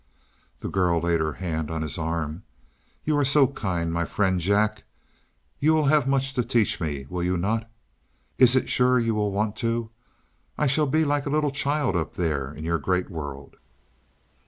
The girl laid her hand on his arm. "You are so kind, my friend Jack. You will have much to teach me, will you not? Is it sure you will want to? I shall be like a little child up there in your great world."